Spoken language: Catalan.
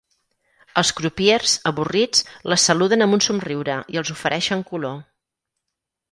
Els crupiers, avorrits, les saluden amb un somriure i els ofereixen color.